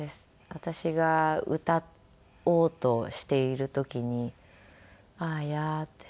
私が歌おうとしている時に「あーや」って。